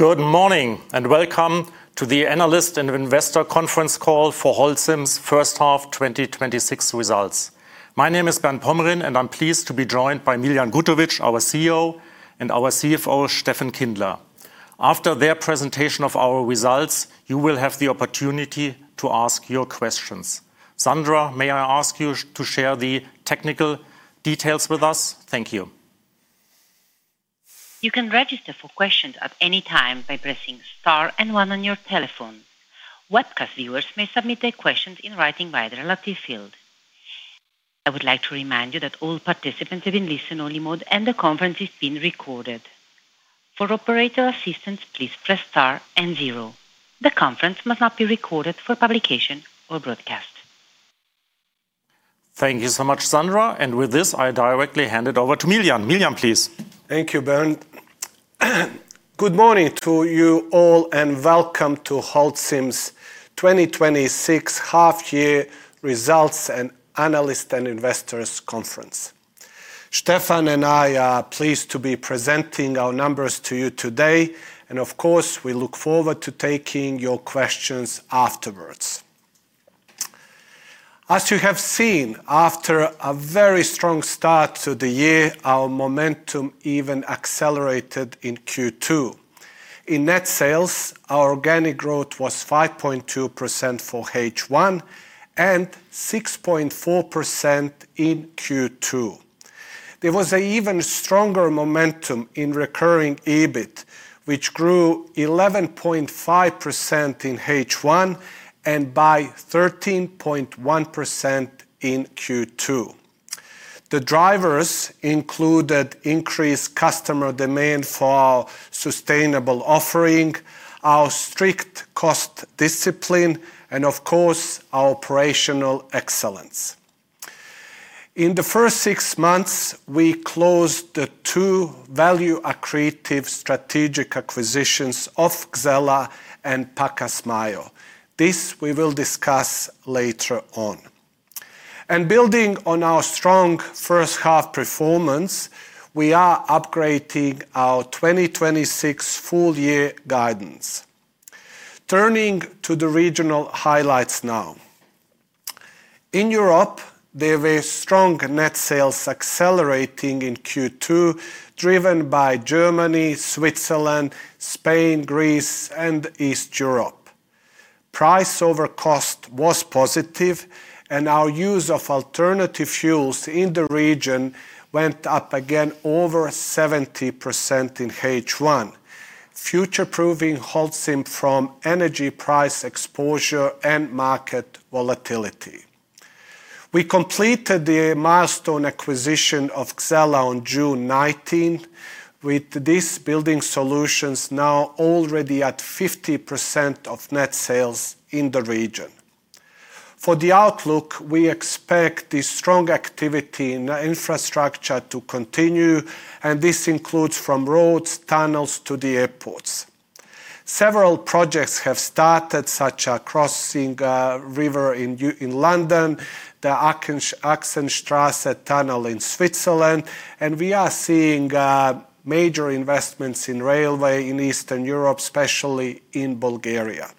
Good morning, and welcome to the analyst and investor conference call for Holcim's first half 2026 results. My name is Bernd POMREHN, and I am pleased to be joined by Miljan Gutovic, our CEO, and our CFO, Steffen Kindler. After their presentation of our results, you will have the opportunity to ask your questions. Sandra, may I ask you to share the technical details with us? Thank you. You can register for questions at any time by pressing Star and One on your telephone. Webcast viewers may submit their questions in writing by the relevant field. I would like to remind you that all participants are in listen-only mode, and the conference is being recorded. For operator assistance, please press Star and Zero. The conference must not be recorded for publication or broadcast. Thank you so much, Sandra. With this, I directly hand it over to Miljan. Miljan, please. Thank you, Bernd. Good morning to you all, and welcome to Holcim's 2026 half-year results and analyst and investors conference. Steffen and I are pleased to be presenting our numbers to you today, and of course, we look forward to taking your questions afterwards. As you have seen, after a very strong start to the year, our momentum even accelerated in Q2. In net sales, our organic growth was 5.2% for H1 and 6.4% in Q2. There was an even stronger momentum in recurring EBIT, which grew 11.5% in H1 and by 13.1% in Q2. The drivers included increased customer demand for our sustainable offering, our strict cost discipline, and of course, our operational excellence. In the first six months, we closed the two value-accretive strategic acquisitions of Xella and Pacasmayo. This we will discuss later on. Building on our strong first half performance, we are upgrading our 2026 full year guidance. Turning to the regional highlights now. In Europe, there were strong net sales accelerating in Q2, driven by Germany, Switzerland, Spain, Greece, and Eastern Europe. Price over cost was positive, and our use of alternative fuels in the region went up again over 70% in H1, future-proofing Holcim from energy price exposure and market volatility. We completed the milestone acquisition of Xella on June 19, with these building solutions now already at 50% of net sales in the region. For the outlook, we expect the strong activity in infrastructure to continue, and this includes from roads, tunnels to the airports. Several projects have started, such a crossing river in London, the Axenstrasse Tunnel in Switzerland, and we are seeing major investments in railway in Eastern Europe, especially in Bulgaria.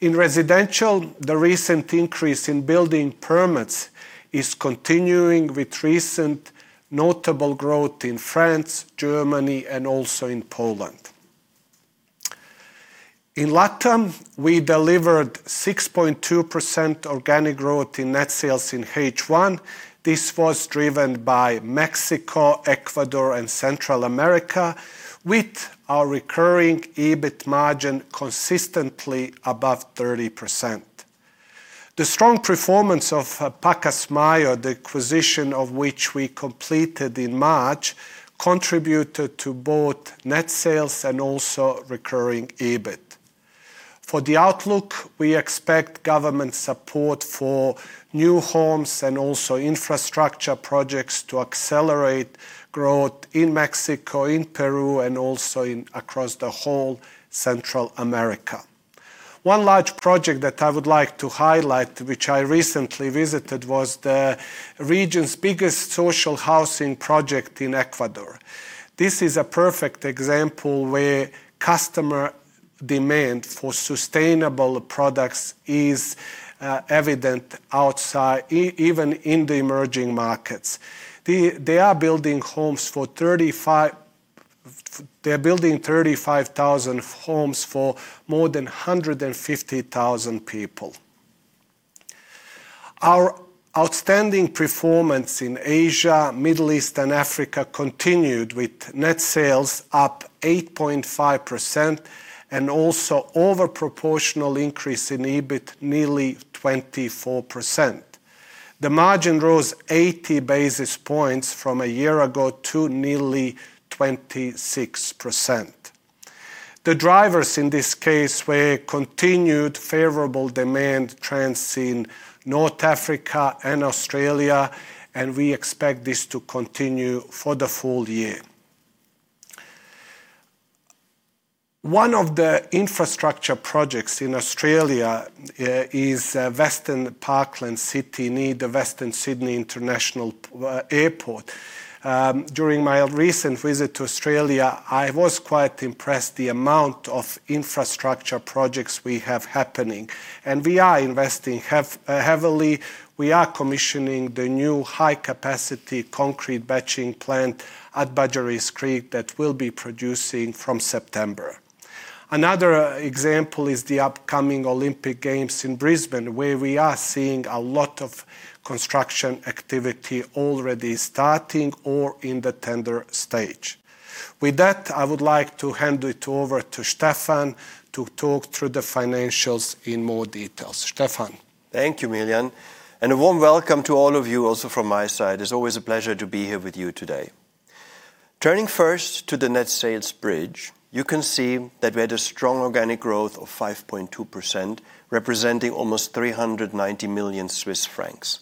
In residential, the recent increase in building permits is continuing with recent notable growth in France, Germany, and also in Poland. In LATAM, we delivered 6.2% organic growth in net sales in H1. This was driven by Mexico, Ecuador, and Central America, with our recurring EBIT margin consistently above 30%. The strong performance of Pacasmayo, the acquisition of which we completed in March, contributed to both net sales and also recurring EBIT. For the outlook, we expect government support for new homes and also infrastructure projects to accelerate growth in Mexico, in Peru, and also across the whole Central America. One large project that I would like to highlight, which I recently visited, was the region's biggest social housing project in Ecuador. This is a perfect example where customer demand for sustainable products is evident even in the emerging markets. They are building 35,000 homes for more than 150,000 people. Our outstanding performance in Asia, Middle East, and Africa continued with net sales up 8.5% and also overproportional increase in EBIT nearly 24%. The margin rose 80 basis points from a year ago to nearly 26%. The drivers in this case were continued favorable demand trends in North Africa and Australia, and we expect this to continue for the full year. One of the infrastructure projects in Australia is Western Parkland City near the Western Sydney International Airport. During my recent visit to Australia, I was quite impressed the amount of infrastructure projects we have happening. We are investing heavily. We are commissioning the new high-capacity concrete batching plant at Badgerys Creek that will be producing from September. Another example is the upcoming Olympic Games in Brisbane, where we are seeing a lot of construction activity already starting or in the tender stage. With that, I would like to hand it over to Steffen to talk through the financials in more details. Steffen? Thank you, Miljan. A warm welcome to all of you also from my side. It's always a pleasure to be here with you today. Turning first to the net sales bridge, you can see that we had a strong organic growth of 5.2%, representing almost 390 million Swiss francs.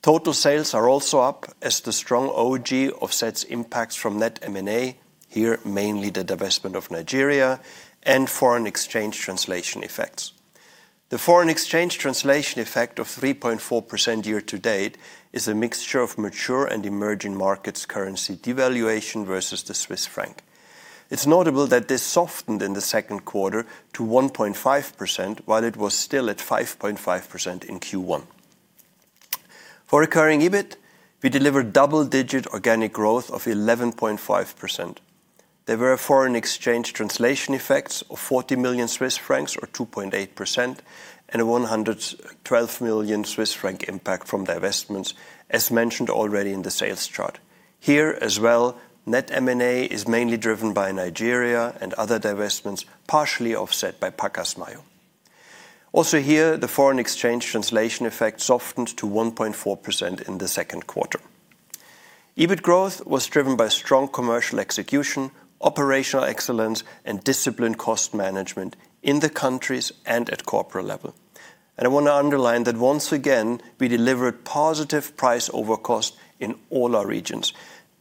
Total sales are also up as the strong OG offsets impacts from net M&A, here mainly the divestment of Nigeria, and foreign exchange translation effects. The foreign exchange translation effect of 3.4% year-to-date is a mixture of mature and emerging markets currency devaluation versus the CHF. It's notable that this softened in the second quarter to 1.5%, while it was still at 5.5% in Q1. For recurring EBIT, we delivered double-digit organic growth of 11.5%. There were foreign exchange translation effects of 40 million Swiss francs or 2.8%, a 112 million Swiss franc impact from divestments, as mentioned already in the sales chart. Here as well, net M&A is mainly driven by Nigeria and other divestments, partially offset by Pacasmayo. Also here, the foreign exchange translation effect softened to 1.4% in the second quarter. EBIT growth was driven by strong commercial execution, operational excellence, and disciplined cost management in the countries and at corporate level. I want to underline that once again, we delivered positive price over cost in all our regions.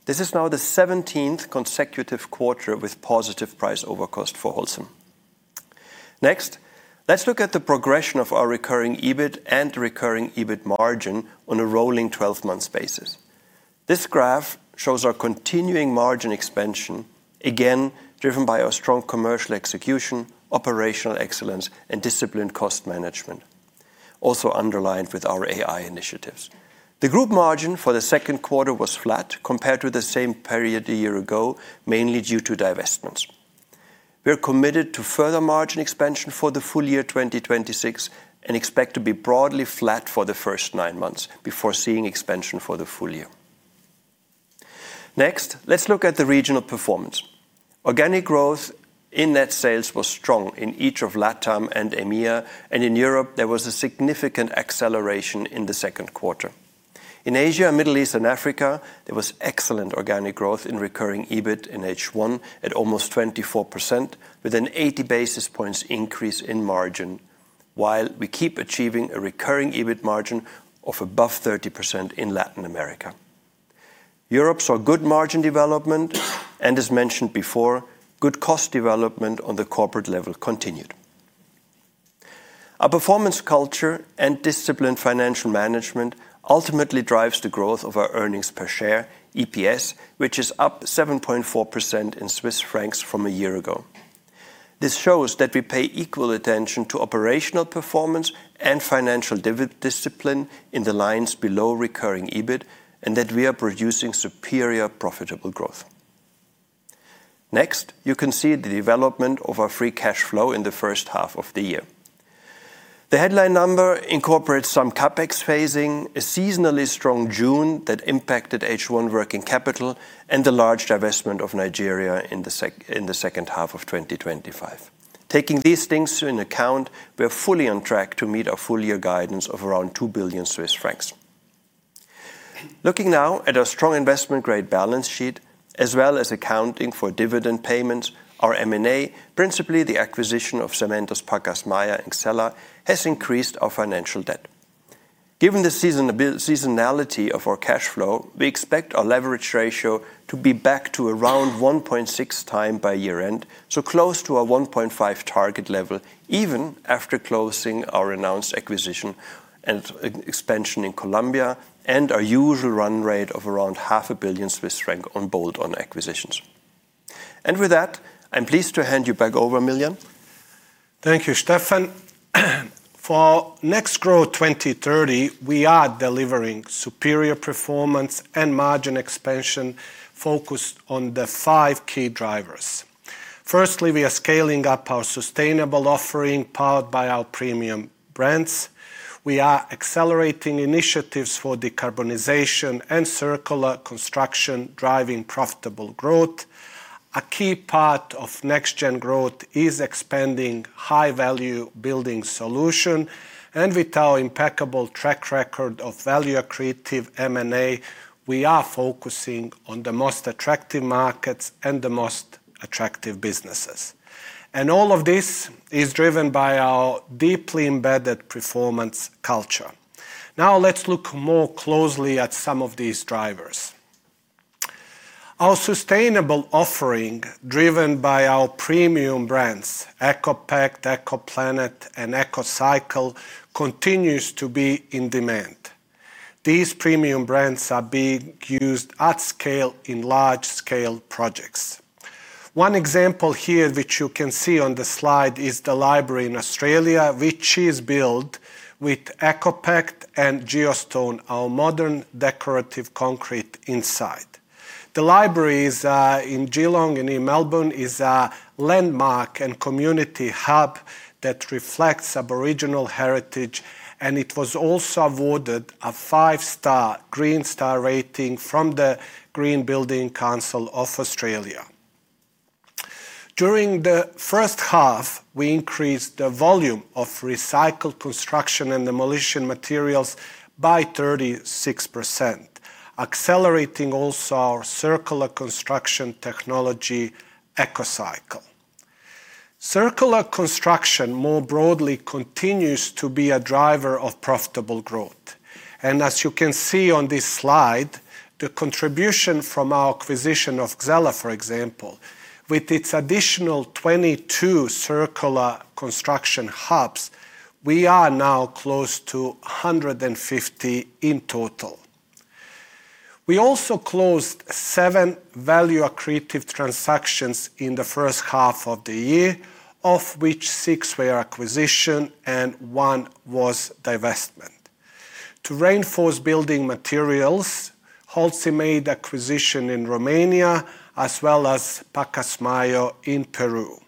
This is now the 17th consecutive quarter with positive price over cost for Holcim. Let's look at the progression of our recurring EBIT and recurring EBIT margin on a rolling 12-month basis. This graph shows our continuing margin expansion, again, driven by our strong commercial execution, operational excellence, and disciplined cost management. Also underlined with our AI initiatives. The group margin for the second quarter was flat compared to the same period a year ago, mainly due to divestments. We're committed to further margin expansion for the full year 2026 and expect to be broadly flat for the first nine months before seeing expansion for the full year. Let's look at the regional performance. Organic growth in net sales was strong in each of LATAM and EMEA. In Europe there was a significant acceleration in the second quarter. In Asia, Middle East, and Africa, there was excellent organic growth in recurring EBIT in H1 at almost 24%, with an 80 basis points increase in margin. While we keep achieving a recurring EBIT margin of above 30% in Latin America. Europe saw good margin development. As mentioned before, good cost development on the corporate level continued. Our performance culture and disciplined financial management ultimately drives the growth of our earnings per share, EPS, which is up 7.4% in CHF from a year ago. This shows that we pay equal attention to operational performance and financial discipline in the lines below recurring EBIT, that we are producing superior profitable growth. You can see the development of our free cash flow in the first half of the year. The headline number incorporates some CapEx phasing, a seasonally strong June that impacted H1 working capital, the large divestment of Nigeria in the second half of 2025. Taking these things into account, we are fully on track to meet our full-year guidance of around 2 billion Swiss francs. Looking now at our strong investment-grade balance sheet, as well as accounting for dividend payments, our M&A, principally the acquisition of Cementos Pacasmayo in Xella, has increased our financial debt. Given the seasonality of our cash flow, we expect our leverage ratio to be back to around 1.6 times by year-end, so close to our 1.5 target level, even after closing our announced acquisition and expansion in Colombia and our usual run rate of around half a billion CHF on bolt-on acquisitions. With that, I'm pleased to hand you back over, Miljan. Thank you, Steffen. For NextGen Growth 2030, we are delivering superior performance and margin expansion focused on the five key drivers. Firstly, we are scaling up our sustainable offering, powered by our premium brands. We are accelerating initiatives for decarbonization and circular construction, driving profitable growth. A key part of NextGen Growth is expanding high-value building solution. With our impeccable track record of value-accretive M&A, we are focusing on the most attractive markets and the most attractive businesses. All of this is driven by our deeply embedded performance culture. Now let's look more closely at some of these drivers. Our sustainable offering, driven by our premium brands, ECOPact, ECOPlanet, and ECOCycle, continues to be in demand. These premium brands are being used at scale in large-scale projects. One example here, which you can see on the slide, is the library in Australia, which is built with ECOPact and Geostone, our modern decorative concrete inside. The library in Geelong and in Melbourne is a landmark and community hub that reflects Aboriginal heritage, and it was also awarded a 5-star Green Star rating from the Green Building Council of Australia. During the first half, we increased the volume of recycled construction and demolition materials by 36%, accelerating also our circular construction technology, ECOCycle. Circular construction, more broadly, continues to be a driver of profitable growth. As you can see on this slide, the contribution from our acquisition of Xella, for example, with its additional 22 circular construction hubs, we are now close to 150 in total. We also closed seven value-accretive transactions in the first half of the year, of which six were acquisition and one was divestment. To reinforce building materials, Holcim made acquisition in Romania as well as Pacasmayo in Peru.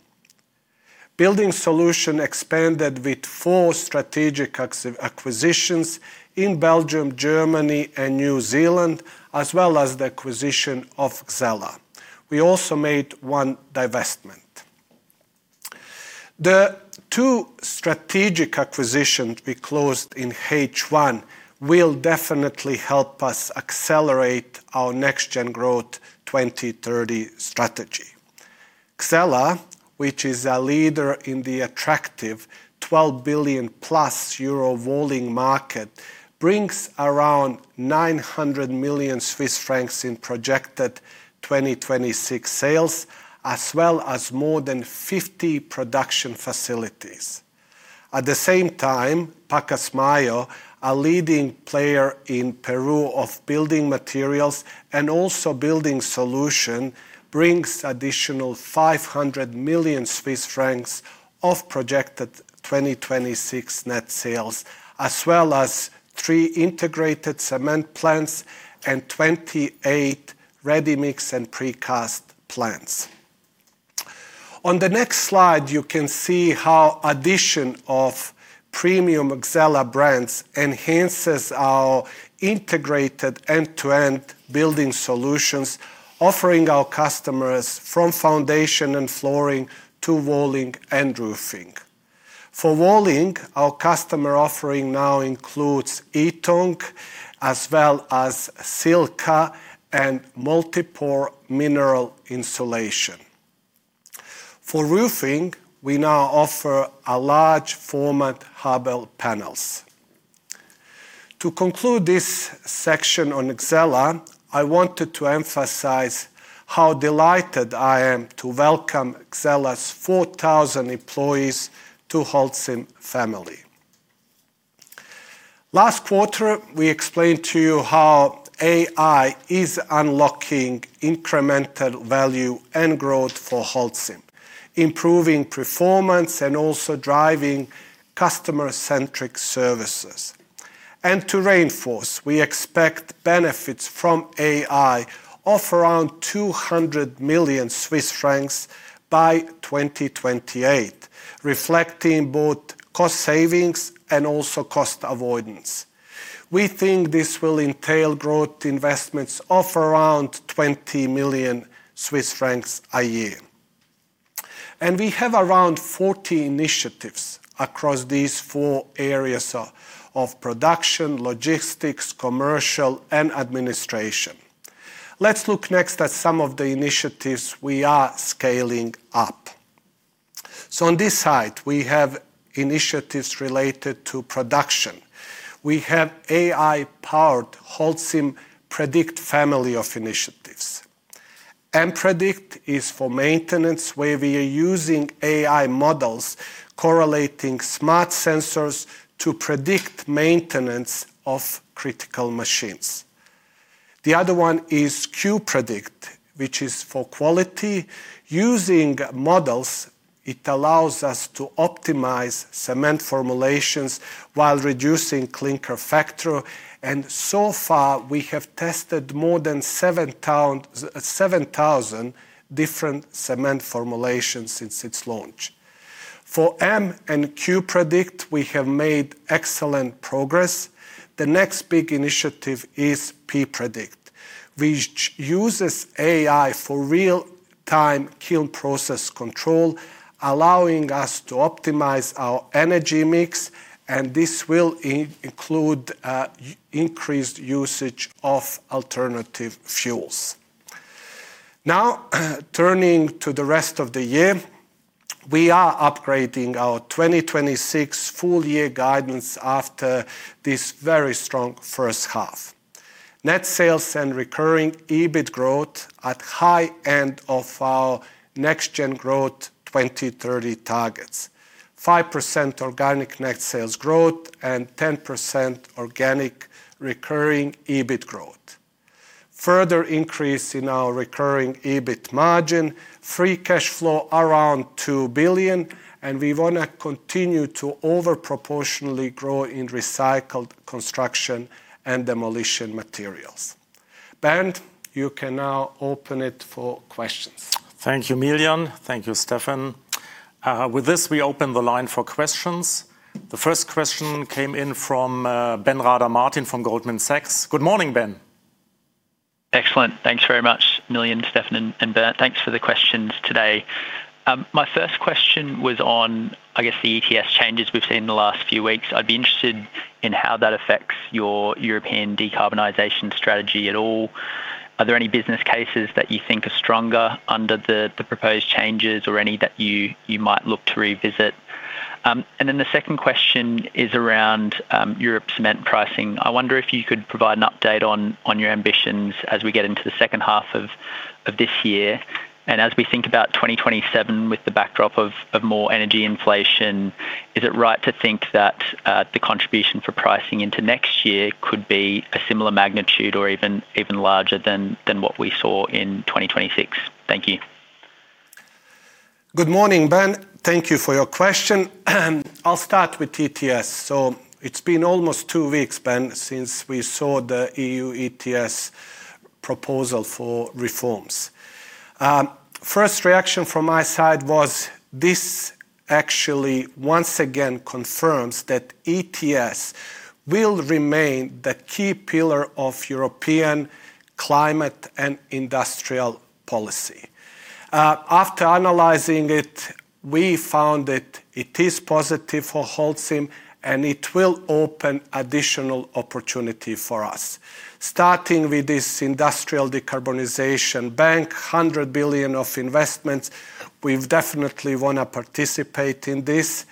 Building solution expanded with four strategic acquisitions in Belgium, Germany, and New Zealand, as well as the acquisition of Xella. We also made one divestment. The two strategic acquisitions we closed in H1 will definitely help us accelerate our NextGen Growth 2030 strategy. Xella, which is a leader in the attractive 12 billion euro-plus walling market, brings around 900 million Swiss francs in projected 2026 sales, as well as more than 50 production facilities. At the same time, Pacasmayo, a leading player in Peru of building materials and also building solution, brings additional 500 million Swiss francs of projected 2026 net sales, as well as three integrated cement plants and 28 ready-mix and precast plants. On the next slide, you can see how addition of premium Xella brands enhances our integrated end-to-end building solutions, offering our customers from foundation and flooring to walling and roofing. For walling, our customer offering now includes Ytong, as well as Silka and Multipor mineral insulation. For roofing, we now offer a large format Hebel panels. To conclude this section on Xella, I wanted to emphasize how delighted I am to welcome Xella's 4,000 employees to Holcim family. Last quarter, we explained to you how AI is unlocking incremental value and growth for Holcim, improving performance, and also driving customer-centric services. To reinforce, we expect benefits from AI of around 200 million Swiss francs by 2028, reflecting both cost savings and also cost avoidance. We think this will entail growth investments of around 20 million Swiss francs a year. We have around 40 initiatives across these four areas of production, logistics, commercial, and administration. Let's look next at some of the initiatives we are scaling up. On this side, we have initiatives related to production. We have AI-powered Holcim Predict family of initiatives. M-Predict is for maintenance, where we are using AI models correlating smart sensors to predict maintenance of critical machines. The other one is Q-Predict, which is for quality. Using models, it allows us to optimize cement formulations while reducing clinker factor. So far, we have tested more than 7,000 different cement formulations since its launch. For M and Q-Predict, we have made excellent progress. The next big initiative is P-Predict, which uses AI for real-time kiln process control, allowing us to optimize our energy mix, and this will include increased usage of alternative fuels. Turning to the rest of the year, we are upgrading our 2026 full year guidance after this very strong first half. Net sales and recurring EBIT growth at high end of our NextGen Growth 2030 targets, 5% organic net sales growth and 10% organic recurring EBIT growth. Further increase in our recurring EBIT margin, free cash flow around 2 billion, and we want to continue to over proportionally grow in recycled construction and demolition materials. Bernd, you can now open it for questions. Thank you, Miljan. Thank you, Steffen. With this, we open the line for questions. The first question came in from Ben Rader Martin from Goldman Sachs. Good morning, Ben. Excellent. Thanks very much, Miljan, Steffen and Bernd. Thanks for the questions today. My first question was on, I guess the ETS changes we've seen in the last few weeks. I'd be interested in how that affects your European decarbonization strategy at all. Are there any business cases that you think are stronger under the proposed changes or any that you might look to revisit? The second question is around Europe cement pricing. I wonder if you could provide an update on your ambitions as we get into the second half of this year. As we think about 2027 with the backdrop of more energy inflation, is it right to think that the contribution for pricing into next year could be a similar magnitude or even larger than what we saw in 2026? Thank you. Good morning, Ben. Thank you for your question. I'll start with ETS. It's been almost two weeks, Ben, since we saw the EU ETS proposal for reforms. First reaction from my side was this actually once again confirms that ETS will remain the key pillar of European climate and industrial policy. After analyzing it, we found that it is positive for Holcim, and it will open additional opportunity for us, starting with this industrial decarbonization bank, 100 billion of investments. We definitely want to participate in this.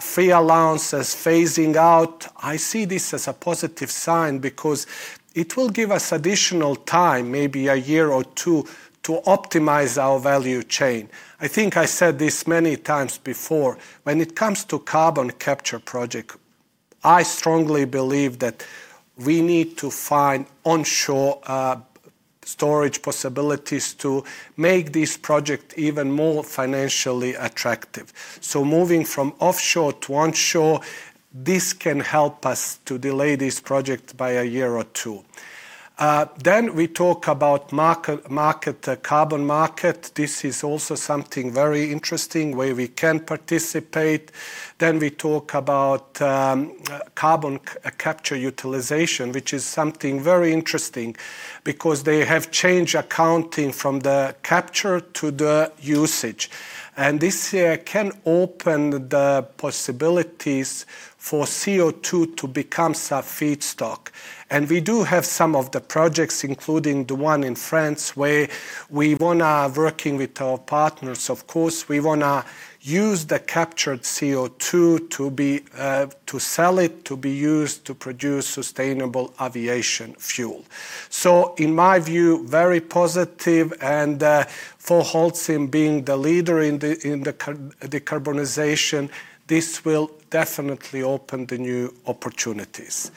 Free allowances phasing out. I see this as a positive sign because it will give us additional time, maybe a year or two, to optimize our value chain. I think I said this many times before, when it comes to carbon capture project, I strongly believe that we need to find onshore storage possibilities to make this project even more financially attractive. Moving from offshore to onshore, this can help us to delay this project by a year or two. We talk about carbon market. This is also something very interesting where we can participate. We talk about carbon capture utilization, which is something very interesting because they have changed accounting from the capture to the usage. This here can open the possibilities for CO2 to become a feedstock. We do have some of the projects, including the one in France, where we want to work with our partners, of course. We want to use the captured CO2 to sell it, to be used to produce sustainable aviation fuel. In my view, very positive, and for Holcim being the leader in the decarbonization, this will definitely open the new opportunities.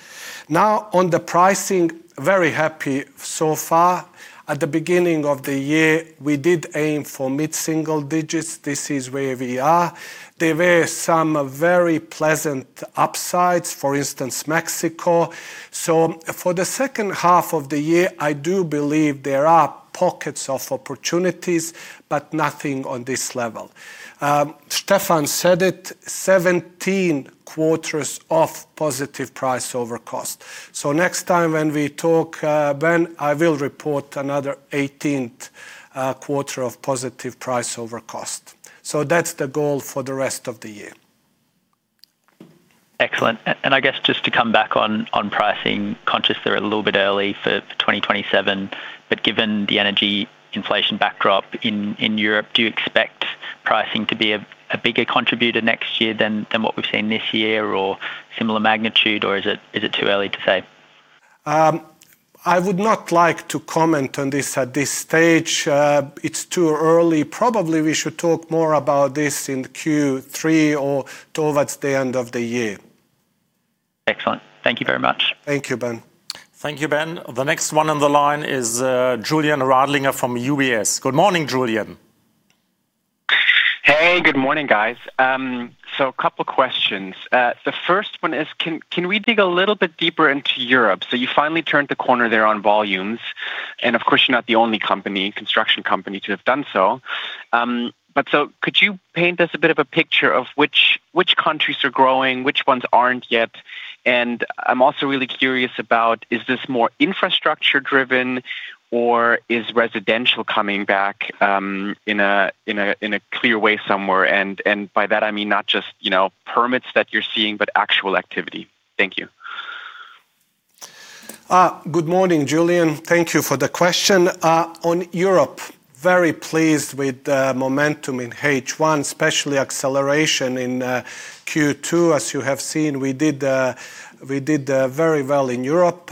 Now on the pricing. Very happy so far. At the beginning of the year, we did aim for mid-single digits. This is where we are. There were some very pleasant upsides, for instance, Mexico. For the second half of the year, I do believe there are pockets of opportunities, but nothing on this level. Steffen said it, 17 quarters of positive price over cost. Next time when we talk, Ben, I will report another 18th quarter of positive price over cost. That's the goal for the rest of the year. Excellent. I guess just to come back on pricing, conscious they're a little bit early for 2027, but given the energy inflation backdrop in Europe, do you expect pricing to be a bigger contributor next year than what we've seen this year, or similar magnitude, or is it too early to say? I would not like to comment on this at this stage. It's too early. Probably we should talk more about this in Q3 or towards the end of the year. Excellent. Thank you very much. Thank you, Ben. Thank you, Ben. The next one on the line is Julian Radlinger from UBS. Good morning, Julian. Hey, good morning, guys. A couple questions. The first one is, can we dig a little bit deeper into Europe? You finally turned the corner there on volumes, and of course, you're not the only construction company to have done so. Could you paint us a bit of a picture of which countries are growing, which ones aren't yet? I'm also really curious about, is this more infrastructure driven or is residential coming back in a clear way somewhere? By that I mean not just permits that you're seeing, but actual activity. Thank you. Good morning, Julian. Thank you for the question. On Europe, very pleased with the momentum in H1, especially acceleration in Q2. As you have seen, we did very well in Europe.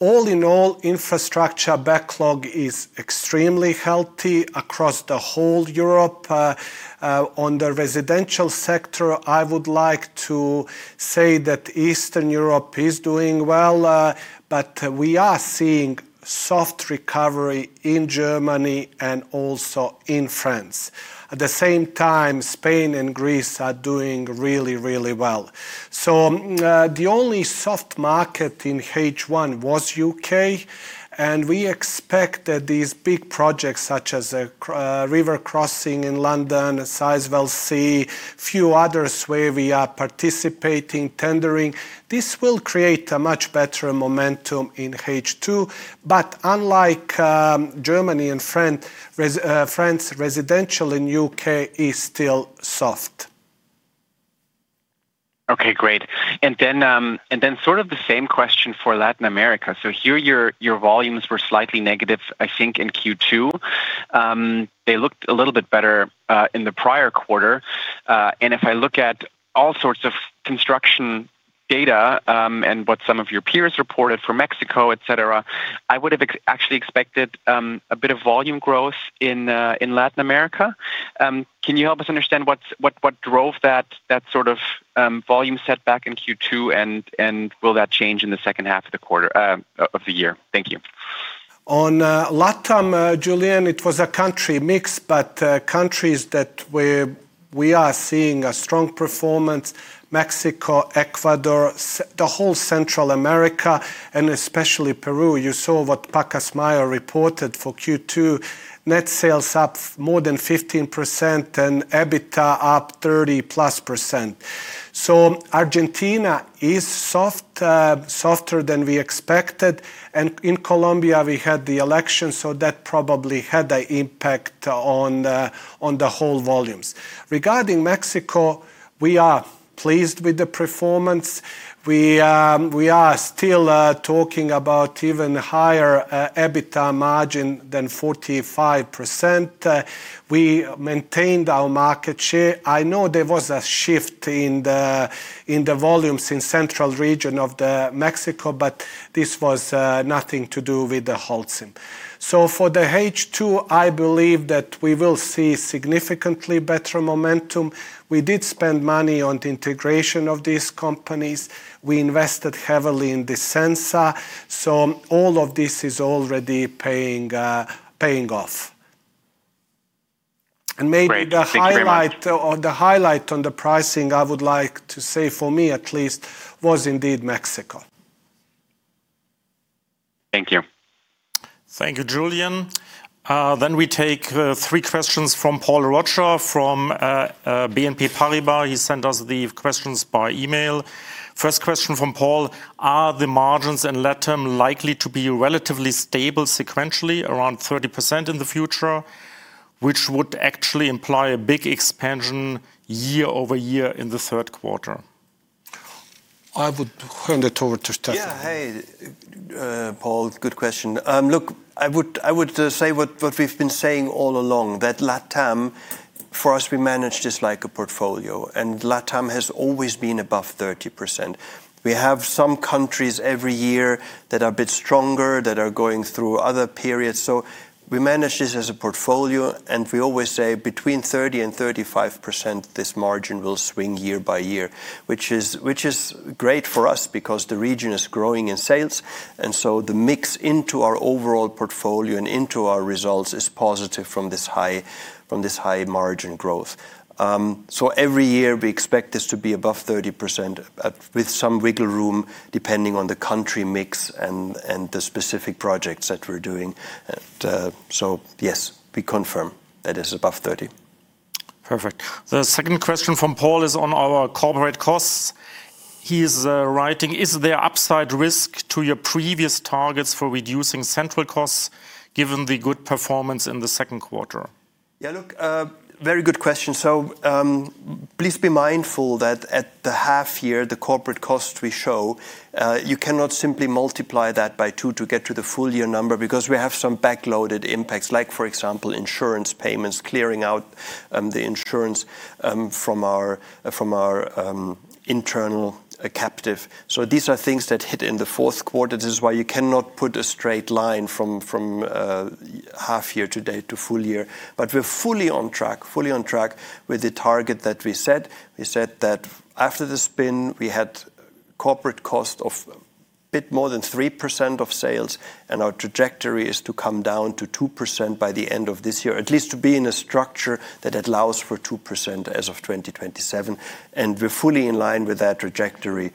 All in all, infrastructure backlog is extremely healthy across the whole of Europe. On the residential sector, I would like to say that Eastern Europe is doing well, but we are seeing soft recovery in Germany and also in France. At the same time, Spain and Greece are doing really well. The only soft market in H1 was U.K., and we expect that these big projects such as River Crossing in London, Sizewell C, few others where we are participating, tendering. This will create a much better momentum in H2. Unlike Germany and France, residential in U.K. is still soft. Okay, great. Then sort of the same question for Latin America. Here, your volumes were slightly negative, I think, in Q2. They looked a little bit better in the prior quarter. If I look at all sorts of construction data, and what some of your peers reported for Mexico, et cetera, I would have actually expected a bit of volume growth in Latin America. Can you help us understand what drove that sort of volume setback in Q2, and will that change in the second half of the year? Thank you. On LATAM, Julian, it was a country mix, but countries that we are seeing a strong performance, Mexico, Ecuador, the whole Central America, and especially Peru. You saw what Pacasmayo reported for Q2. Net sales up more than 15% and EBITDA up 30%+. Argentina is softer than we expected, and in Colombia, we had the election, so that probably had an impact on the whole volumes. Regarding Mexico, we are pleased with the performance. We are still talking about even higher EBITDA margin than 45%. We maintained our market share. I know there was a shift in the volumes in central region of Mexico, but this was nothing to do with the Holcim. For the H2, I believe that we will see significantly better momentum. We did spend money on the integration of these companies. We invested heavily in the sensor. All of this is already paying off. Maybe the highlight on the pricing, I would like to say for me at least, was indeed Mexico. Thank you. Thank you, Julian. We take three questions from Paul Roger from BNP Paribas. He sent us the questions by email. First question from Paul, "Are the margins in LATAM likely to be relatively stable sequentially around 30% in the future? Which would actually imply a big expansion year-over-year in the third quarter. I would hand it over to Steffen. Yeah. Hey, Paul. Good question. Look, I would say what we've been saying all along, that LATAM, for us, we manage this like a portfolio. LATAM has always been above 30%. We have some countries every year that are a bit stronger, that are going through other periods. We manage this as a portfolio, and we always say between 30% and 35%, this margin will swing year-by-year. Which is great for us because the region is growing in sales, and the mix into our overall portfolio and into our results is positive from this high margin growth. Every year we expect this to be above 30%, with some wiggle room, depending on the country mix and the specific projects that we're doing. Yes, we confirm that it is above 30%. Perfect. The second question from Paul is on our corporate costs. He is writing, "Is there upside risk to your previous targets for reducing central costs, given the good performance in the second quarter? Yeah, look, very good question. Please be mindful that at the half year, the corporate cost we show, you cannot simply multiply that by 2 to get to the full year number because we have some backloaded impacts. Like for example, insurance payments, clearing out the insurance from our internal captive. These are things that hit in the fourth quarter. This is why you cannot put a straight line from half year to date to full year. We're fully on track with the target that we set. We said that after the spin, we had corporate cost of a bit more than 3% of sales, and our trajectory is to come down to 2% by the end of this year. At least to be in a structure that allows for 2% as of 2027. We're fully in line with that trajectory.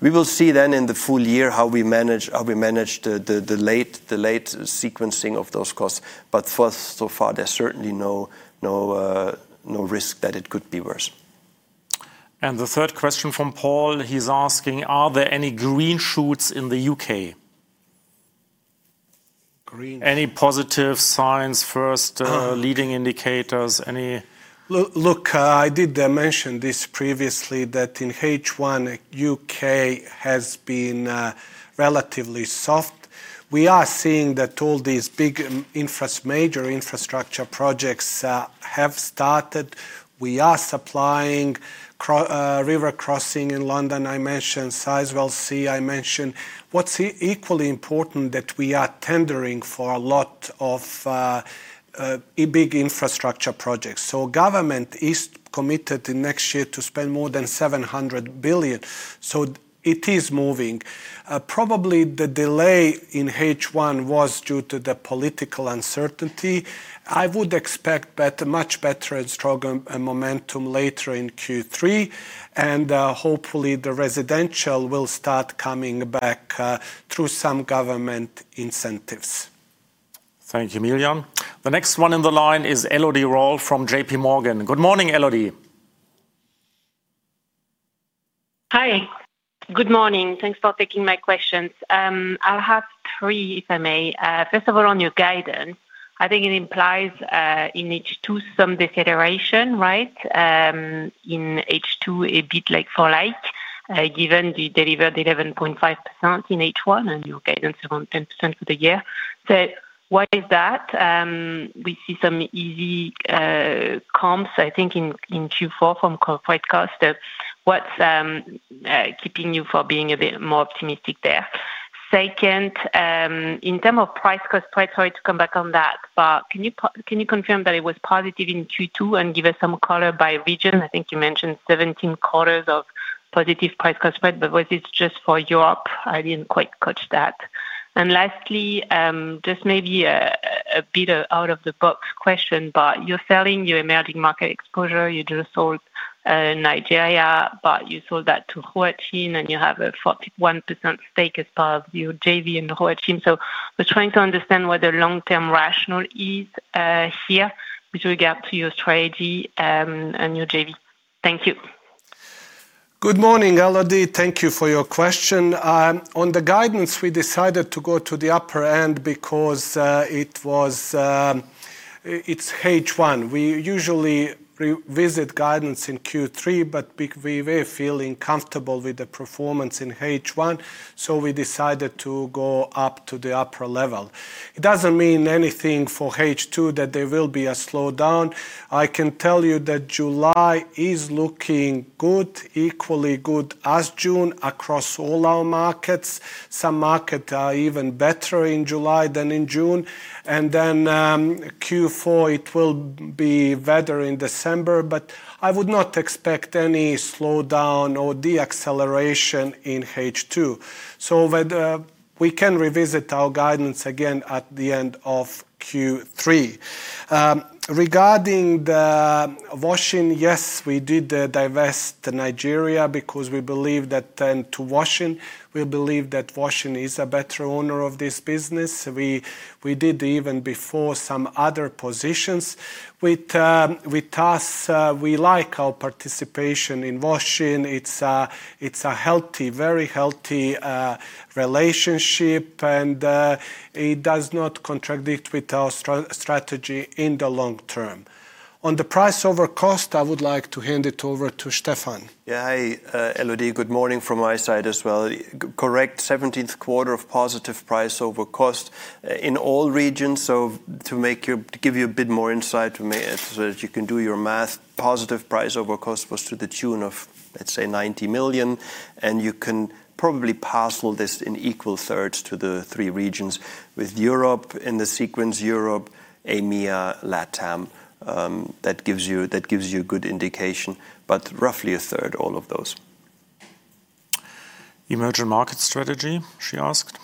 We will see then in the full year how we manage the late sequencing of those costs. So far, there's certainly no risk that it could be worse. The third question from Paul. He's asking, "Are there any green shoots in the U.K.?" Any positive signs first? Leading indicators? I did mention this previously, that in H1, U.K. has been relatively soft. We are seeing that all these big major infrastructure projects have started. We are supplying river crossing in London, I mentioned Sizewell C. What's equally important that we are tendering for a lot of big infrastructure projects. Government is committed the next year to spend more than 700 billion. It is moving. Probably the delay in H1 was due to the political uncertainty. I would expect much better and stronger momentum later in Q3, and hopefully the residential will start coming back through some government incentives. Thank you, Miljan. The next one in the line is Elodie Rall from JPMorgan. Good morning, Elodie. Hi, good morning. Thanks for taking my questions. I'll have three, if I may. First of all, on your guidance, I think it implies, in H2, some deceleration, right? In H2, a bit like for like, given you delivered 11.5% in H1 and you guidance around 10% for the year. Why is that? We see some easy comps, I think, in Q4 from corporate cost. What's keeping you from being a bit more optimistic there? Second, in terms of price cost pipe, sorry to come back on that, can you confirm that it was positive in Q2 and give us some color by region? I think you mentioned 17 quarters of positive price cost spread, was it just for Europe? I didn't quite catch that. Lastly, just maybe a bit of out-of-the-box question, you're selling your emerging market exposure. You just sold Nigeria, you sold that to Huaxin, and you have a 41% stake as part of your JV in the Huaxin. I was trying to understand what the long-term rationale is here with regard to your strategy and your JV. Thank you. Good morning, Elodie. Thank you for your question. On the guidance, we decided to go to the upper end because it's H1. We usually revisit guidance in Q3, but we were feeling comfortable with the performance in H1, so we decided to go up to the upper level. It doesn't mean anything for H2 that there will be a slowdown. I can tell you that July is looking good, equally good as June, across all our markets. Some market even better in July than in June. Q4, it will be better in December, but I would not expect any slowdown or deacceleration in H2. We can revisit our guidance again at the end of Q3. Regarding the Huaxin, yes, we did divest Nigeria to Huaxin. We believe that Huaxin is a better owner of this business. We did even before some other positions with us. We like our participation in Huaxin. It's a very healthy relationship, and it does not contradict with our strategy in the long term. On the price over cost, I would like to hand it over to Steffen. Yeah. Hi, Elodie. Good morning from my side as well. Correct, 17th quarter of positive price over cost in all regions. To give you a bit more insight so that you can do your math, positive price over cost was to the tune of, let's say, 90 million, and you can probably parcel this in equal thirds to the three regions with Europe in the sequence, Europe, EMEA, LATAM. That gives you a good indication, but roughly a third all of those. Emerging market strategy, she asked.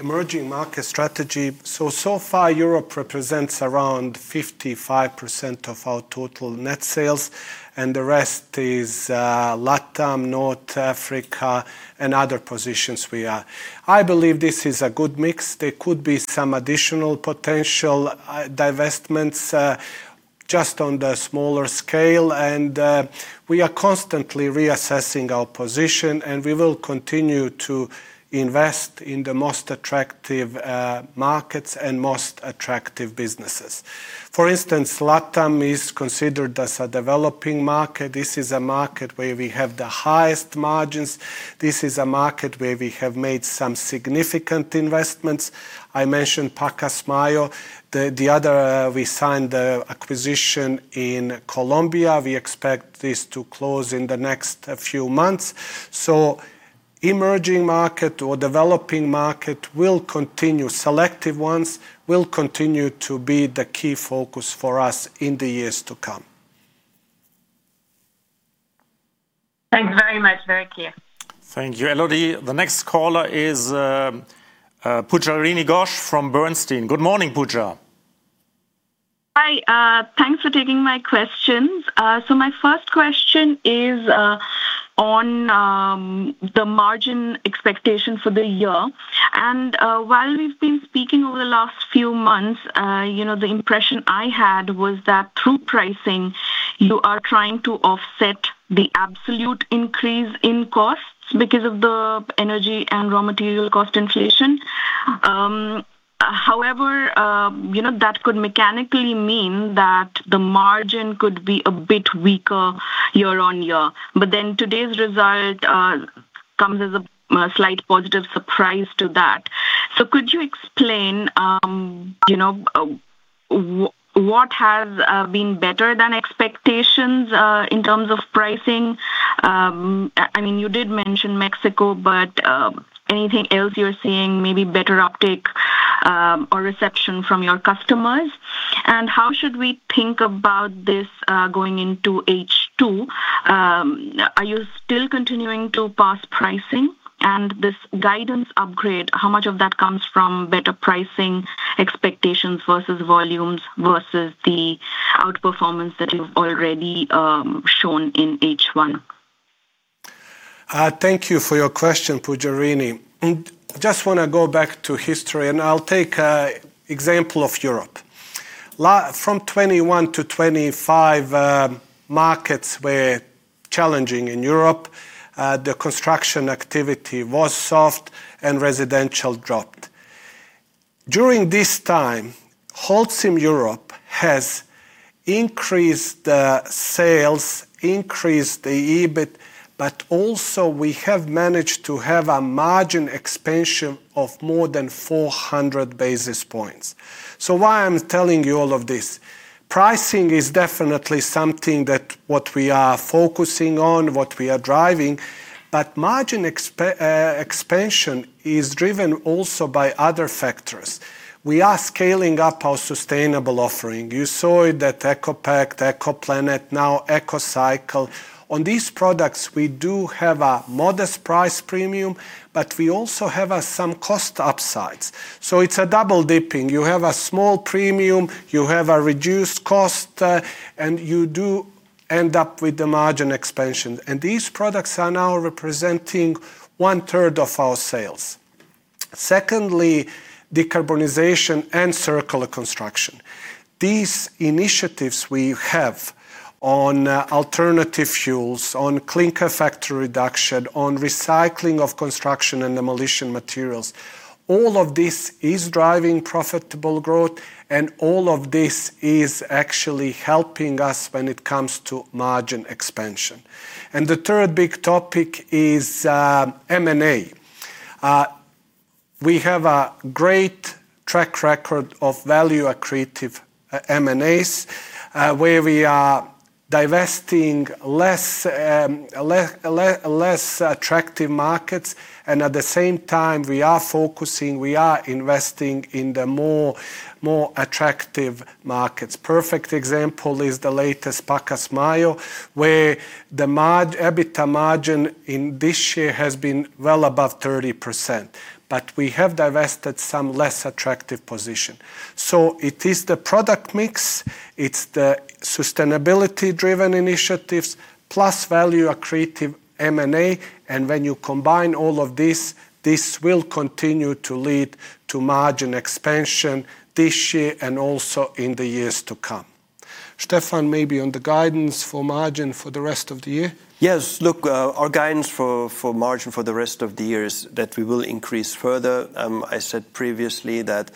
Emerging market strategy. So far Europe represents around 55% of our total net sales, and the rest is LATAM, North Africa, and other positions we are. I believe this is a good mix. There could be some additional potential divestments just on the smaller scale, and we are constantly reassessing our position, and we will continue to invest in the most attractive markets and most attractive businesses. For instance, LATAM is considered as a developing market. This is a market where we have the highest margins. This is a market where we have made some significant investments. I mentioned Pacasmayo. We signed the acquisition in Colombia. We expect this to close in the next few months. Emerging market or developing market will continue. Selective ones will continue to be the key focus for us in the years to come. Thanks very much. Very clear. Thank you, Elodie. The next caller is Pujarini Ghosh from Bernstein. Good morning, Puja. Hi. Thanks for taking my questions. My first question is on the margin expectation for the year. While we've been speaking over the last few months, the impression I had was that through pricing you are trying to offset the absolute increase in costs because of the energy and raw material cost inflation. That could mechanically mean that the margin could be a bit weaker year-on-year. Today's result comes as a slight positive surprise to that. Could you explain what has been better than expectations in terms of pricing? You did mention Mexico, anything else you're seeing, maybe better uptick or reception from your customers? How should we think about this going into H2? Are you still continuing to pass pricing? This guidance upgrade, how much of that comes from better pricing expectations versus volumes, versus the outperformance that you've already shown in H1? Thank you for your question, Pujarini. I just want to go back to history, and I'll take example of Europe. From 2021 to 2025, markets were challenging in Europe. The construction activity was soft, and residential dropped. During this time, Holcim Europe has increased sales, increased the EBIT, but also, we have managed to have a margin expansion of more than 400 basis points. Why I'm telling you all of this? Pricing is definitely something that what we are focusing on, what we are driving. Margin expansion is driven also by other factors. We are scaling up our sustainable offering. You saw it at ECOPact, ECOPlanet, now ECOCycle. On these products, we do have a modest price premium, but we also have some cost upsides. It's a double-dipping. You have a small premium, you have a reduced cost, and you do end up with the margin expansion. These products are now representing one third of our sales. Secondly, decarbonization and circular construction. These initiatives we have on alternative fuels, on clinker factory reduction, on recycling of construction and demolition materials, all of this is driving profitable growth, and all of this is actually helping us when it comes to margin expansion. The third big topic is M&A. We have a great track record of value-accretive M&As, where we are divesting less attractive markets. At the same time, we are focusing, we are investing in the more attractive markets. Perfect example is the latest Pacasmayo, where the EBITDA margin in this year has been well above 30%. We have divested some less attractive position. It is the product mix, it's the sustainability-driven initiatives, plus value-accretive M&A. When you combine all of this will continue to lead to margin expansion this year and also in the years to come. Steffen, maybe on the guidance for margin for the rest of the year? Yes. Look, our guidance for margin for the rest of the year is that we will increase further. I said previously that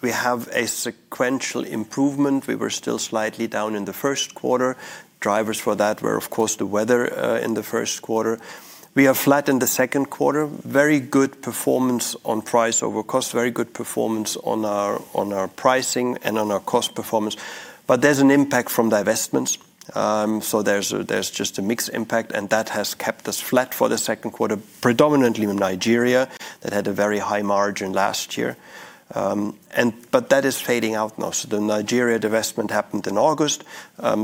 we have a sequential improvement. We were still slightly down in the first quarter. Drivers for that were, of course, the weather in the first quarter. We are flat in the second quarter. Very good performance on price over cost, very good performance on our pricing and on our cost performance. There's an impact from divestments. There's just a mix impact, and that has kept us flat for the second quarter, predominantly in Nigeria, that had a very high margin last year. That is fading out now. The Nigeria divestment happened in August,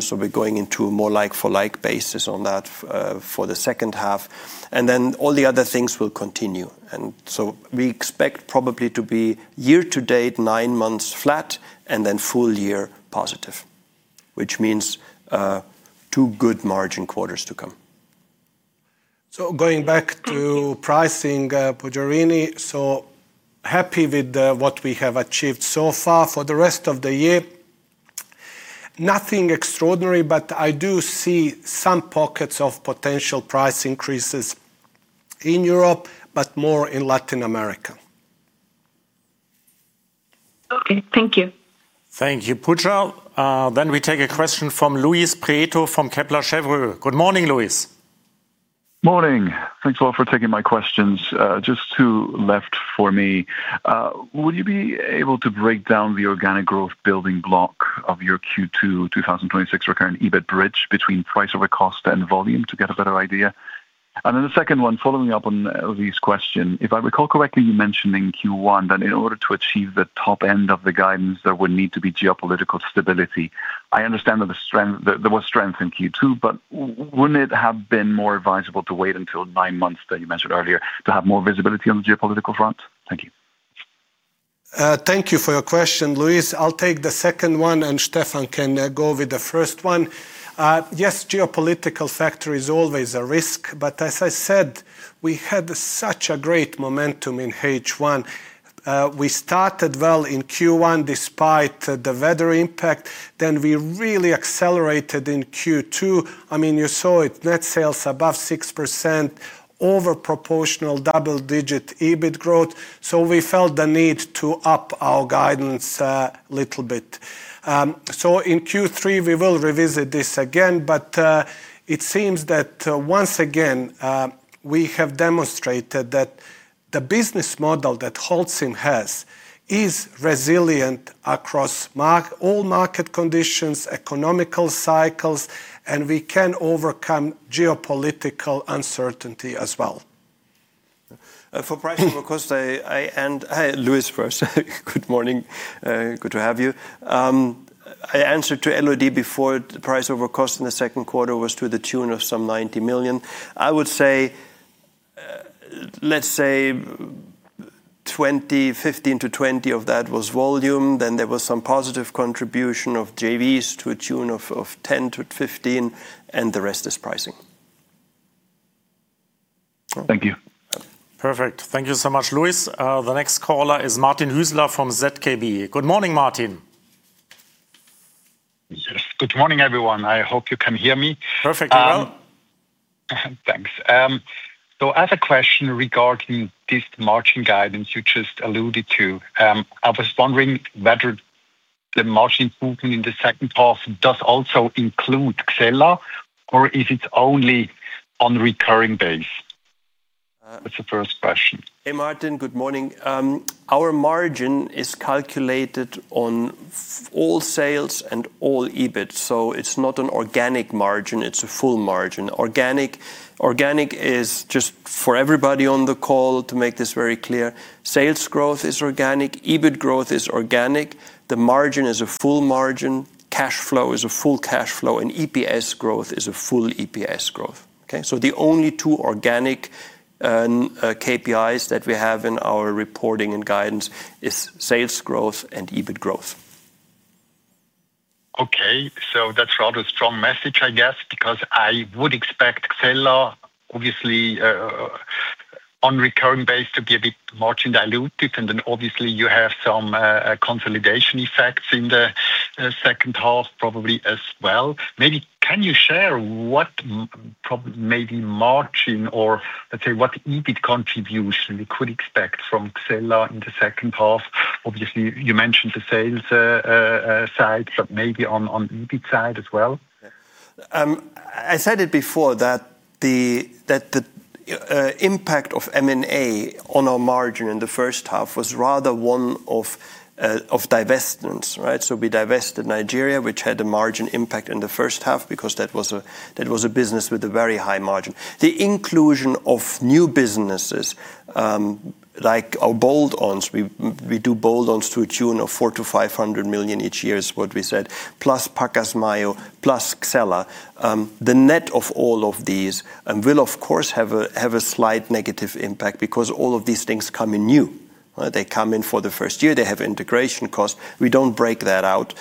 so we're going into a more like-for-like basis on that for the second half. All the other things will continue. We expect probably to be year to date, nine months flat, and then full year positive, which means two good margin quarters to come. Going back to pricing, Pujarini. Happy with what we have achieved so far. For the rest of the year, nothing extraordinary, but I do see some pockets of potential price increases in Europe, but more in Latin America. Okay. Thank you. Thank you, Puja. We take a question from Luis Prieto from Kepler Cheuvreux. Good morning, Luis. Morning. Thanks a lot for taking my questions. Just two left for me. Would you be able to break down the organic growth building block of your Q2 2026 recurrent EBIT bridge between price over cost and volume to get a better idea? The second one, following up on Elodie's question. If I recall correctly, you mentioned in Q1 that in order to achieve the top end of the guidance, there would need to be geopolitical stability. I understand that there was strength in Q2, wouldn't it have been more advisable to wait until nine months, that you mentioned earlier, to have more visibility on the geopolitical front? Thank you. Thank you for your question, Luis. I'll take the second one, Steffen can go with the first one. Yes, geopolitical factor is always a risk. As I said, we had such a great momentum in H1. We started well in Q1 despite the weather impact, we really accelerated in Q2. You saw it, net sales above 6%, over proportional double-digit EBIT growth. We felt the need to up our guidance a little bit. In Q3 we will revisit this again, it seems that, once again, we have demonstrated that the business model that Holcim has is resilient across all market conditions, economical cycles, and we can overcome geopolitical uncertainty as well. For price over cost, Luis first. Good morning. Good to have you. Answer to Elodie before the price over cost in the second quarter was to the tune of some 90 million. Let's say 15-20 of that was volume, there was some positive contribution of JVs to a tune of 10-15, the rest is pricing. Thank you. Perfect. Thank you so much, Luis. The next caller is Martin Hüsler from ZKB. Good morning, Martin. Yes, good morning, everyone. I hope you can hear me. Perfectly well. Thanks. I have a question regarding this margin guidance you just alluded to. I was wondering whether the margin improvement in the second half does also include Xella, or if it's only on recurring base? That's the first question. Hey, Martin. Good morning. Our margin is calculated on all sales and all EBIT, it's not an organic margin, it's a full margin. Organic is, just for everybody on the call, to make this very clear, sales growth is organic, EBIT growth is organic. The margin is a full margin, cash flow is a full cash flow, and EPS growth is a full EPS growth. Okay? The only two organic KPIs that we have in our reporting and guidance is sales growth and EBIT growth. Okay. That's rather a strong message, I guess, because I would expect Xella, obviously, on a recurring base to be a bit margin dilutive, and then obviously you have some consolidation effects in the second half probably as well. Maybe can you share what maybe margin or, let's say, what EBIT contribution we could expect from Xella in the second half? Obviously, you mentioned the sales side, but maybe on the EBIT side as well? I said it before that the impact of M&A on our margin in the first half was rather one of divestments. We divested Nigeria, which had a margin impact in the first half because that was a business with a very high margin. The inclusion of new businesses, like our bolt-ons, we do bolt-ons to a tune of 400 million-500 million each year, is what we said, plus Pacasmayo, plus Xella. The net of all of these will, of course, have a slight negative impact because all of these things come in new. They come in for the first year. They have integration costs. We don't break that out.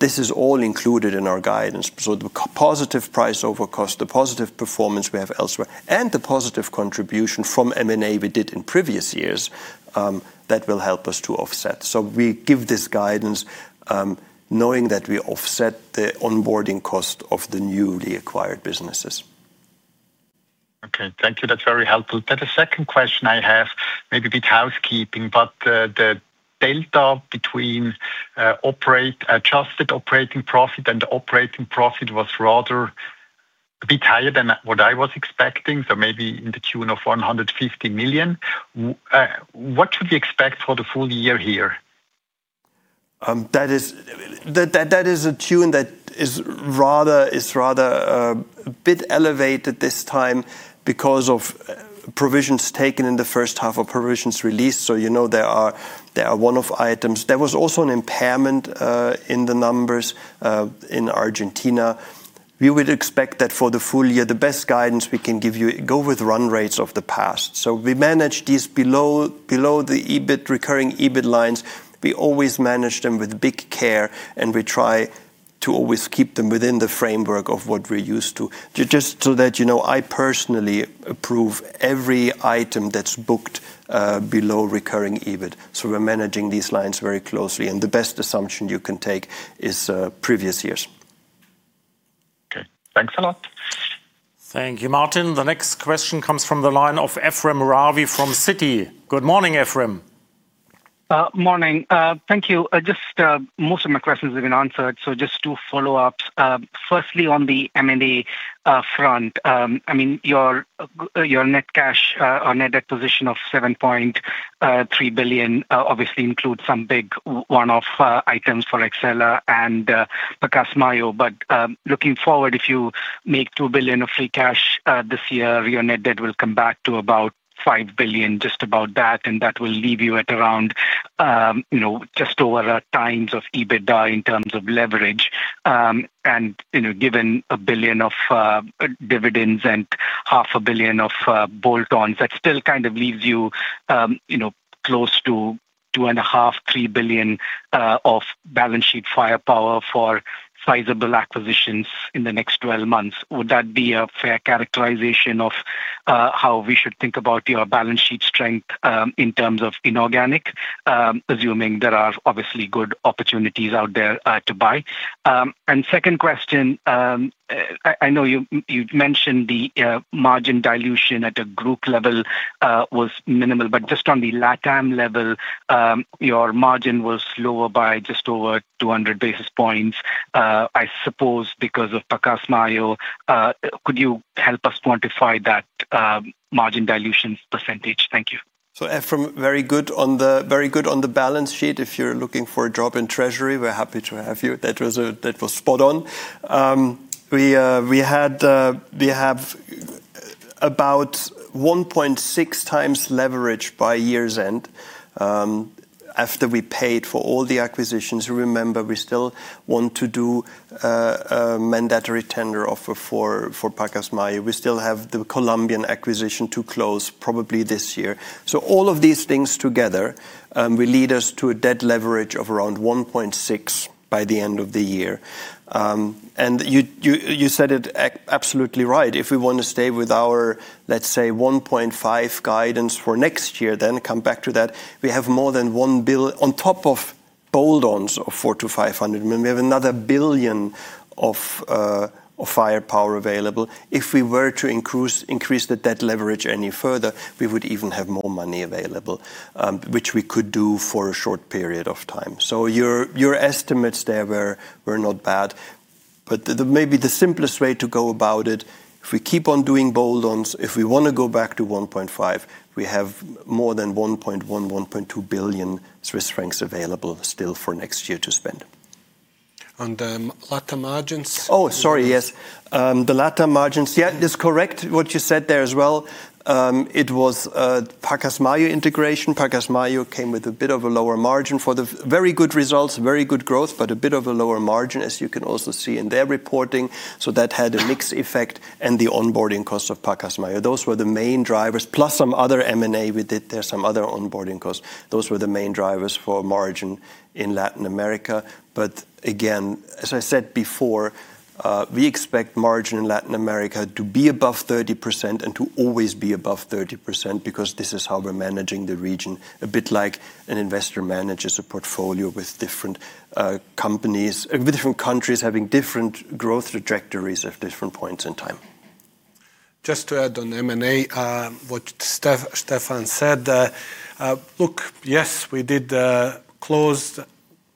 This is all included in our guidance. The positive price overcost, the positive performance we have elsewhere, and the positive contribution from M&A we did in previous years, that will help us to offset. We give this guidance knowing that we offset the onboarding cost of the newly acquired businesses. Okay. Thank you. That's very helpful. The second question I have, maybe a bit housekeeping, but the delta between adjusted operating profit and operating profit was rather a bit higher than what I was expecting. Maybe in the tune of 150 million. What should we expect for the full year here? That is a tune that is rather a bit elevated this time because of provisions taken in the first half of provisions released. You know, there are one-off items. There was also an impairment in the numbers in Argentina. We would expect that for the full year, the best guidance we can give you, go with run rates of the past. We manage these below the recurring EBIT lines. We always manage them with big care, and we try to always keep them within the framework of what we're used to. Just so that you know, I personally approve every item that's booked below recurring EBIT. We're managing these lines very closely, and the best assumption you can take is previous years. Okay. Thanks a lot. Thank you, Martin. The next question comes from the line of Ephrem Ravi from Citi. Good morning, Ephrem. Morning. Thank you. Most of my questions have been answered, just two follow-ups. Firstly, on the M&A front. Your net cash or net acquisition of 7.3 billion obviously includes some big one-off items for Xella and Cementos Pacasmayo. Looking forward, if you make 2 billion of free cash this year, your net debt will come back to about 5 billion, just about that, and that will leave you at around just over at times of EBITDA in terms of leverage. Given 1 billion of dividends and half a billion of bolt-ons, that still leaves you close to 2.5 billion-3 billion of balance sheet firepower for sizable acquisitions in the next 12 months. Would that be a fair characterization of how we should think about your balance sheet strength in terms of inorganic? Assuming there are obviously good opportunities out there to buy. Second question, I know you mentioned the margin dilution at a group level was minimal, just on the LATAM level, your margin was lower by just over 200 basis points, I suppose because of Cementos Pacasmayo. Could you help us quantify that margin dilution percentage? Thank you. Ephrem, very good on the balance sheet. If you're looking for a job in treasury, we're happy to have you. That was spot on. We have about 1.6x leverage by year's end. After we paid for all the acquisitions, remember we still want to do a mandatory tender offer for Cementos Pacasmayo. We still have the Colombian acquisition to close probably this year. All of these things together will lead us to a debt leverage of around 1.6 by the end of the year. You said it absolutely right, if we want to stay with our, let's say, 1.5x guidance for next year, come back to that, we have more than 1 billion on top of add-ons of 400 million-500 million. We have another 1 billion of firepower available. If we were to increase the debt leverage any further, we would even have more money available, which we could do for a short period of time. Your estimates there were not bad, but maybe the simplest way to go about it, if we keep on doing add-ons, if we want to go back to 1.5, we have more than 1.1 billion, 1.2 billion Swiss francs available still for next year to spend. On the LATAM margins. Oh, sorry. Yes. The LATAM margins. Yeah, it's correct what you said there as well. It was Pacasmayo integration. Pacasmayo came with very good results, very good growth, but a bit of a lower margin, as you can also see in their reporting. That had a mixed effect and the onboarding costs of Pacasmayo. Those were the main drivers, plus some other M&A we did there, some other onboarding costs. Those were the main drivers for margin in Latin America. Again, as I said before, we expect margin in Latin America to be above 30% and to always be above 30%, because this is how we're managing the region, a bit like an investor manages a portfolio with different countries having different growth trajectories at different points in time. Just to add on M&A, what Steffen said. Look, yes, we did close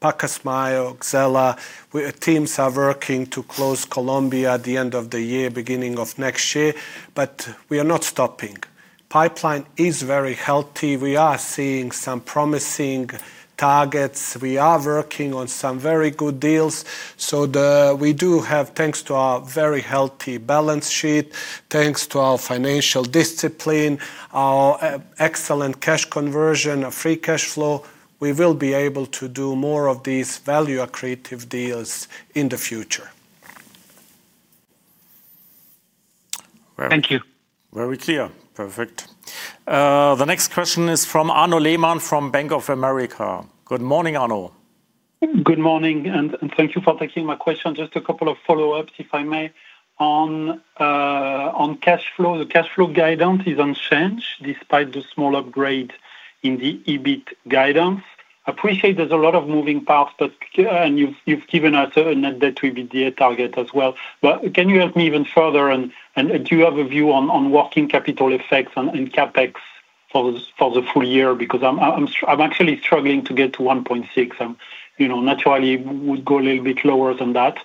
Pacasmayo, Xella. Teams are working to close Colombia at the end of the year, beginning of next year, we are not stopping. Pipeline is very healthy. We are seeing some promising targets. We are working on some very good deals. We do have, thanks to our very healthy balance sheet, thanks to our financial discipline, our excellent cash conversion of free cash flow, we will be able to do more of these value accretive deals in the future. Thank you. Very clear. Perfect. The next question is from Arnaud Lehmann from Bank of America. Good morning, Arnaud. Good morning, and thank you for taking my question. Just a couple of follow-ups if I may. On cash flow, the cash flow guidance is unchanged despite the small upgrade in the EBIT guidance. Appreciate there's a lot of moving parts, and you've given us a net debt EBITDA target as well. Can you help me even further and do you have a view on working capital effects and CapEx for the full year? I'm actually struggling to get to 1.6. Naturally, would go a little bit lower than that.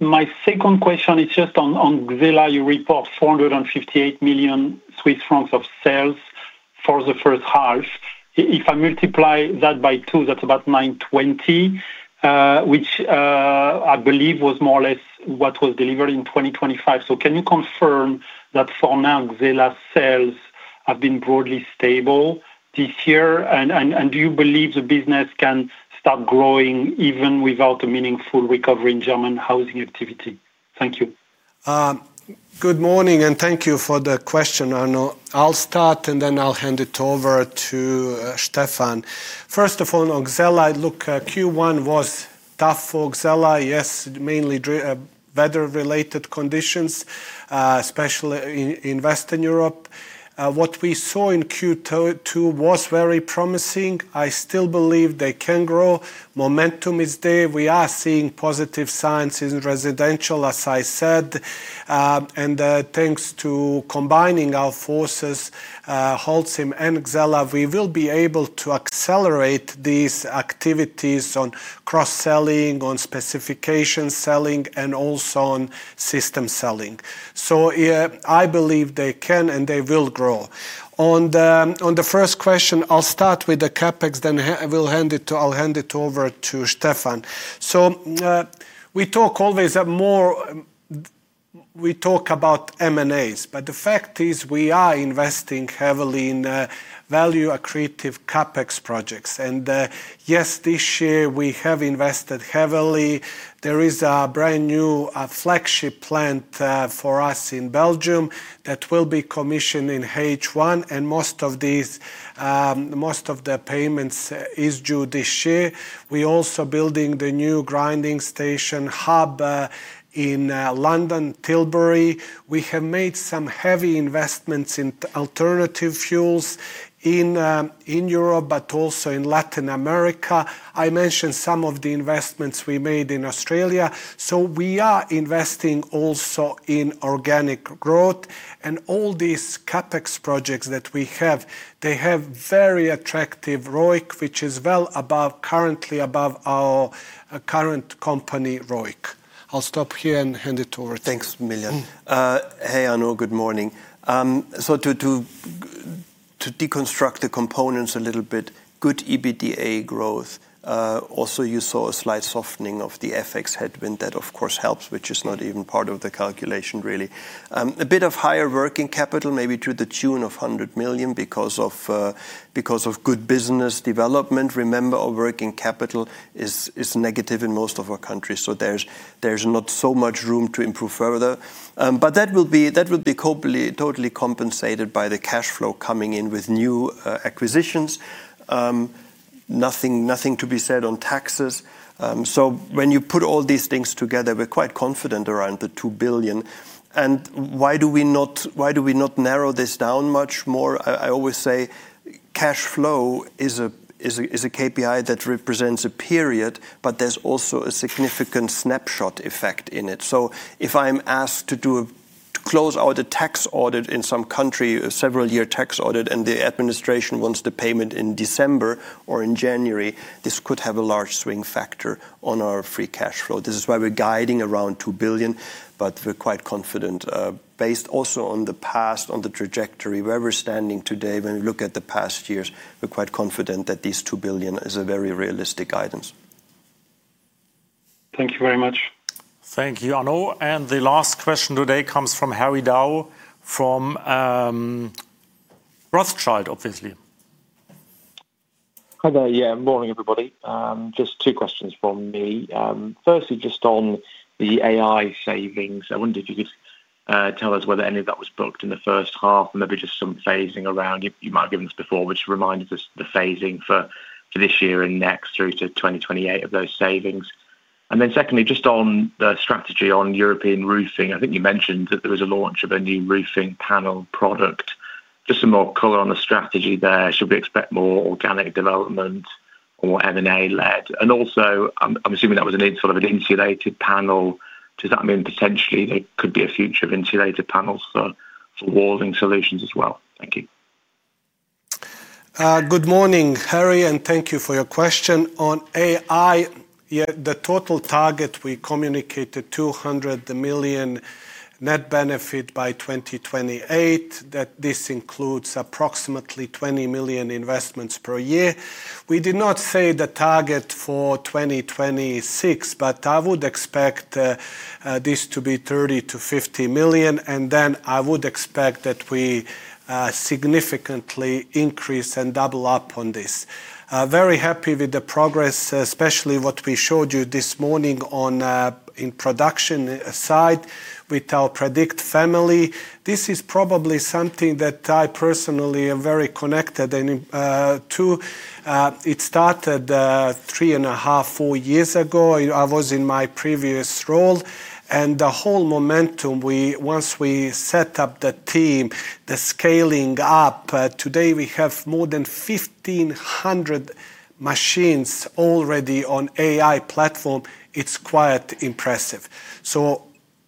My second question is just on Xella. You report 458 million Swiss francs of sales for the first half. If I multiply that by two, that's about 920, which I believe was more or less what was delivered in 2025. Can you confirm that for now, Xella sales have been broadly stable this year? Do you believe the business can start growing even without a meaningful recovery in German housing activity? Thank you. Good morning, and thank you for the question, Arnaud. I'll start, and then I'll hand it over to Steffen. First of all, on Xella, look, Q1 was tough for Xella. Yes, mainly weather-related conditions, especially in Western Europe. What we saw in Q2 was very promising. I still believe they can grow. Momentum is there. We are seeing positive signs in residential, as I said. Thanks to combining our forces, Holcim and Xella, we will be able to accelerate these activities on cross-selling, on specification selling, and also on system selling. Yeah, I believe they can, and they will grow. On the first question, I'll start with the CapEx, then I'll hand it over to Steffen. We talk about M&As, but the fact is we are investing heavily in value-accretive CapEx projects. Yes, this year we have invested heavily. There is a brand new flagship plant for us in Belgium that will be commissioned in H1. Most of the payments is due this year. We're also building the new grinding station hub in London, Tilbury. We have made some heavy investments in alternative fuels in Europe, but also in Latin America. I mentioned some of the investments we made in Australia. We are investing also in organic growth and all these CapEx projects that we have, they have very attractive ROIC, which is currently above our current company ROIC. I'll stop here and hand it. Thanks, Miljan. Hey, Arnaud. Good morning. To deconstruct the components a little bit, good EBITDA growth. Also, you saw a slight softening of the FX headwind that of course helps, which is not even part of the calculation really. A bit of higher working capital, maybe to the tune of 100 million because of good business development. Remember, our working capital is negative in most of our countries, there's not so much room to improve further. That will be totally compensated by the cash flow coming in with new acquisitions. Nothing to be said on taxes. When you put all these things together, we're quite confident around the 2 billion. Why do we not narrow this down much more? I always say cash flow is a KPI that represents a period, but there's also a significant snapshot effect in it. If I'm asked to close out a tax audit in some country, a several-year tax audit, and the administration wants the payment in December or in January, this could have a large swing factor on our free cash flow. This is why we're guiding around 2 billion, but we're quite confident. Based also on the past, on the trajectory, where we're standing today, when we look at the past years, we're quite confident that this 2 billion is a very realistic guidance. Thank you very much. Thank you, Arnaud. The last question today comes from Harry Dow from Rothschild, obviously. Hi there. Morning, everybody. Just two questions from me. Firstly, just on the AI savings, I wonder if you could tell us whether any of that was booked in the first half, and maybe just some phasing around. You might have given this before, but just remind us the phasing for this year and next through to 2028 of those savings. Secondly, just on the strategy on European roofing, I think you mentioned that there was a launch of a new roofing panel product. Just some more color on the strategy there. Should we expect more organic development or M&A led? Also, I'm assuming that was sort of an insulated panel. Does that mean potentially there could be a future of insulated panels for walling solutions as well? Thank you. Good morning, Harry, and thank you for your question. On AI, the total target we communicated, 200 million net benefit by 2028. This includes approximately 20 million investments per year. We did not say the target for 2026, but I would expect this to be 30 million-50 million, and then I would expect that we significantly increase and double up on this. Very happy with the progress, especially what we showed you this morning in production side with our Predict family. This is probably something that I personally am very connected to. It started three and a half, four years ago. I was in my previous role. The whole momentum, once we set up the team, the scaling up, today we have more than 1,500 machines already on AI platform. It's quite impressive.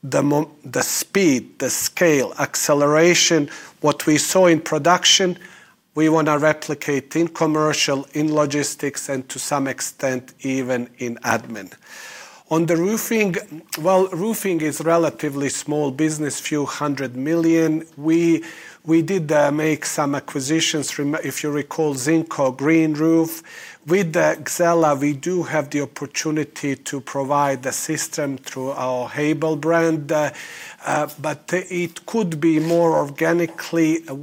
The speed, the scale, acceleration, what we saw in production, we want to replicate in commercial, in logistics, and to some extent, even in admin. On the roofing, well, roofing is relatively small business, a few hundred million CHF. We did make some acquisitions, if you recall Zinco GreenRoof. With Xella, we do have the opportunity to provide the system through our Hebel brand. It could be more organically a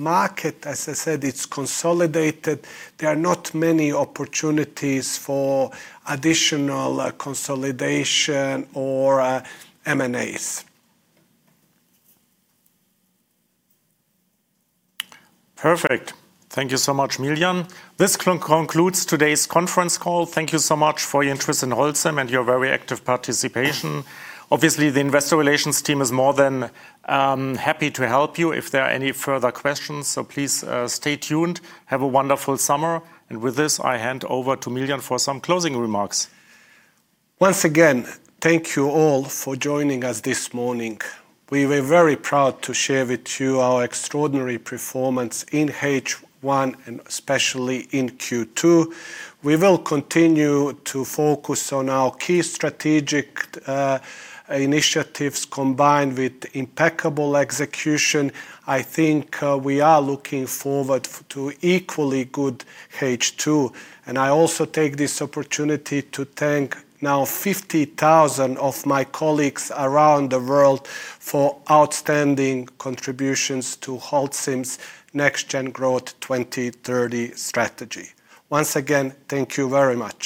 market. As I said, it's consolidated. There are not many opportunities for additional consolidation or M&As. Perfect. Thank you so much, Miljan. This concludes today's conference call. Thank you so much for your interest in Holcim and your very active participation. Obviously, the investor relations team is more than happy to help you if there are any further questions, so please stay tuned. Have a wonderful summer. With this, I hand over to Miljan for some closing remarks. Once again, thank you all for joining us this morning. We were very proud to share with you our extraordinary performance in H1 and especially in Q2. We will continue to focus on our key strategic initiatives combined with impeccable execution. I think we are looking forward to equally good H2. I also take this opportunity to thank now 50,000 of my colleagues around the world for outstanding contributions to Holcim's NextGen Growth 2030 strategy. Once again, thank you very much.